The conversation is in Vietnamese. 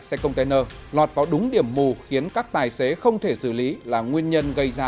xe container lọt vào đúng điểm mù khiến các tài xế không thể xử lý là nguyên nhân gây ra